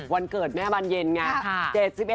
วันเกิดแม่บานเย็นไง